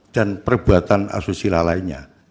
dan perbuatan asusila lainnya